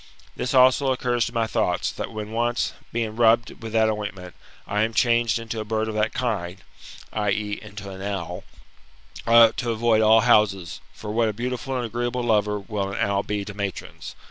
This also occurs to my thoughts, that when once, being rubbed with that ointment, I am changed into a bird of that kind [i.e. into an owl], I ought to avoid all houses; for what a beautiful and agreeable lover will an owl be to matrons!